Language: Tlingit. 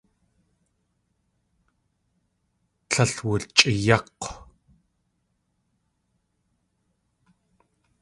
Tlél wulchʼéeyák̲w.